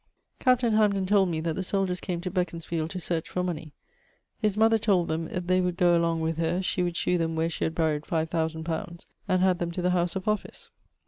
Captain Hamden told me that the soldiers came to Beconsfield to search for money; his mother told them if they would goe along with her, she would shew them where she had buried five thousands pounds, and had them to the house of office.